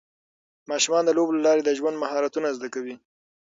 ماشومان د لوبو له لارې د ژوند مهارتونه زده کوي.